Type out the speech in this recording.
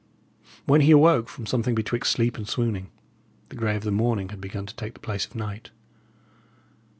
When he awoke from something betwixt sleep and swooning, the grey of the morning had begun to take the place of night.